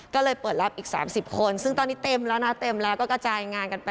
ก็เลยเปิดรับอีก๓๐คนซึ่งตอนนี้เต็มแล้วนะเต็มแล้วก็กระจายงานกันไป